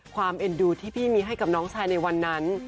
เอ็นดูที่พี่มีให้กับน้องชายในวันนั้น